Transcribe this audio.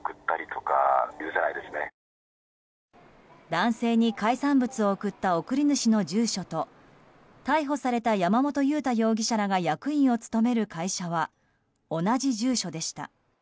男性に海産物を送った送り主の住所と逮捕された山本祐太容疑者らが役員を務める会社は同じ住所でした。